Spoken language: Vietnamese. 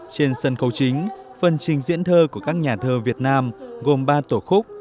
trên sân khấu chính phần trình diễn thơ của các nhà thơ việt nam gồm ba tổ khúc